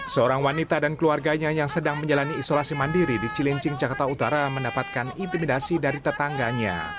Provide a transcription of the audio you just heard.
seorang wanita dan keluarganya yang sedang menjalani isolasi mandiri di cilincing jakarta utara mendapatkan intimidasi dari tetangganya